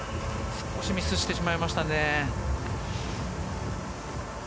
少しミスしてしまいましたね。